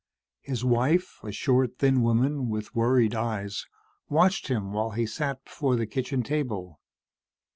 His wife, a short thin woman with worried eyes, watched him while he sat before the kitchen table.